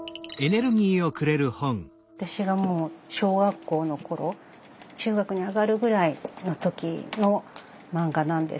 私がもう小学校の頃中学に上がるぐらいの時の漫画なんですけど。